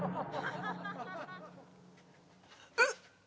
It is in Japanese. えっ。